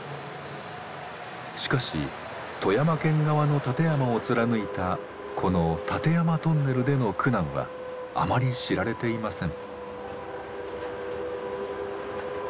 しかし富山県側の立山を貫いたこの立山トンネルでの苦難はあまり知られていません。